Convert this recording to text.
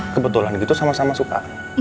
kebetulan gitu sama sama suka